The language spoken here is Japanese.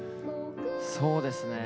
そうですね。